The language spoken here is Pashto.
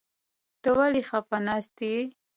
ته ولې خپه ناسته يې ؟